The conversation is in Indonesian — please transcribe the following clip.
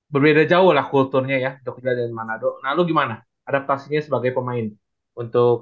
berbeda jauh lah kulturnya ya dokternya dari manado lalu gimana adaptasinya sebagai pemain untuk